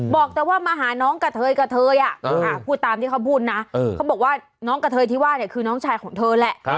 บอกว่ามาหาน้องกระเทยกระเทยพูดตามที่เขาพูดนะเขาบอกว่าน้องกระเทยที่ว่าเนี่ยคือน้องชายของเธอแหละ